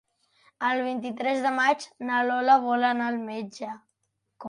El vint-i-tres de maig na Lola vol anar al metge.